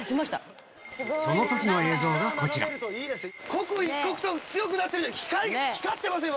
刻一刻と強くなってる光ってますよ。